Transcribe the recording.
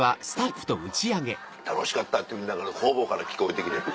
「楽しかった」ってみんなから方々から聞こえてきて。